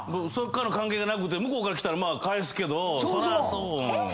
そっから関係がなくて向こうから来たら返すけど。